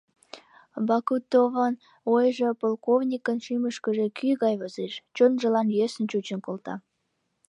Бакутовын ойжо полковникын шӱмышкыжӧ кӱ гай возеш, чонжылан йӧсын чучын колта.